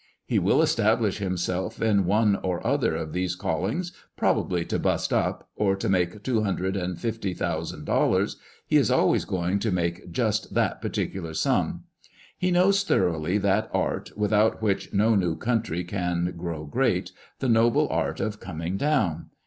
He will establish himself in one or other of these callings, probably to "bust up," or to make two hundred and fifty thousand dollars — he is always going to make just that particular sum. He knows thoroughly that art, without which no new country can grow great — the noble art of " coming down."